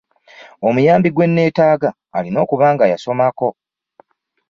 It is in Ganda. Omuyambi gwe nneetaga alina okuba nga yasomako.